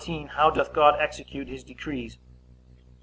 How doth God execute his decrees?